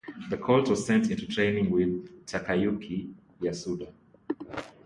The colt was sent into training with Takayuki Yasuda.